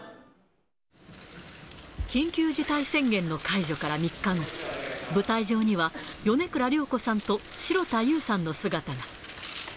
緊急事態宣言の解除から３日後、舞台上には、米倉涼子さんと城田優さんの姿が。